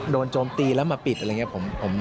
โจมตีแล้วมาปิดอะไรอย่างนี้